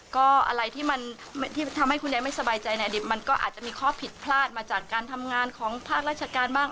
ก็อะไรที่มันที่ทำให้คุณยายไม่สบายใจในอดีตมันก็อาจจะมีข้อผิดพลาดมาจากการทำงานของภาคราชการบ้าง